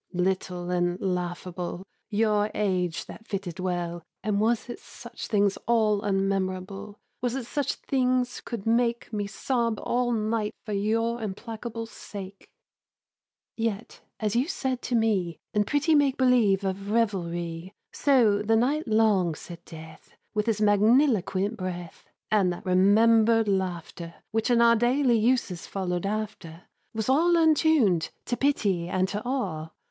Little and laughable, Your age that fitted well. And was it such things all unmemorable, Was it such things could make Me sob all night for your implacable sake? Yet, as you said to me, In pretty make believe of revelry, So, the night long, said Death With his magniloquent breath; (And that remembered laughter, Which in our daily uses followed after, Was all untuned to pity and to awe).